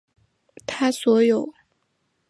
他所有的着作今日都已散失。